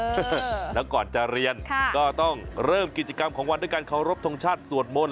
แล้วก่อนจะเรียนก็ต้องเริ่มกิจกรรมของวันด้วยการเคารพทงชาติสวดมนต